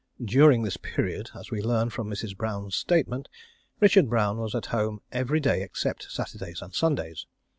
During this period, as we learn from Mrs. Brown's statement, Richard Brown was at home every day except Saturdays and Sundays.